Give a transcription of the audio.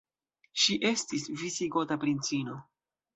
Ŝi estis visigota princino.